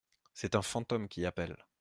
C’est un fantôme qui appelle.